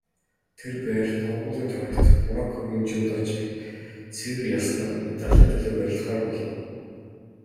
Тэр бээр торгуулийн тойрогт Мороккогийн жүдочийг цэвэр ялснаар медалийн төлөө барилдахаар болов.